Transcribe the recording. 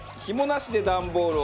紐なしで段ボール？